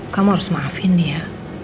kamu harus maafin dia